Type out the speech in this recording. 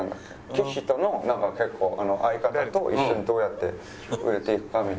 岸とのなんか結構相方と一緒にどうやって売れていくかみたいな。